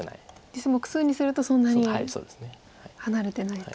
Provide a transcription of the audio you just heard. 実際目数にするとそんなに離れてないと。